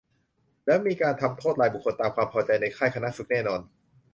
แล้วมีการทำโทษรายบุคคลตามความพอใจในค่ายขณะฝึกแน่นอน